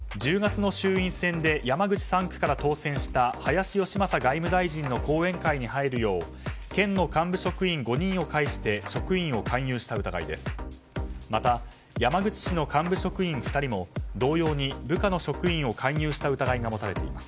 警察によりますと小松副知事は今年４月下旬ごろ１０月の衆院選で山口３区から当選した林芳正外務大臣の後援会に入るよう県の幹部職員５人を介して職員を勧誘した疑いです。